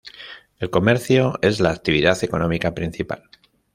El comercio es la actividad económica principal.